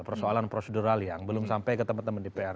persoalan prosedural yang belum sampai ke teman teman dpr